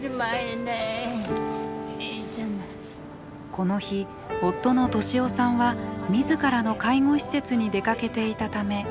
この日夫の利夫さんは自らの介護施設に出かけていたため不在。